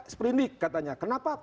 sepelindik katanya kenapa